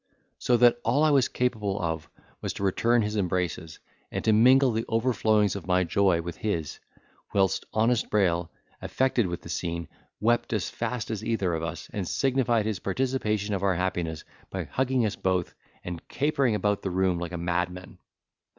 So that all I was capable of was to return his embraces, and to mingle the overflowings of my joy with his; whilst honest Brayl, affected with the scene, wept as fast as either of us, and signified his participation of our happiness by hugging us both, and capering about the room like a madman.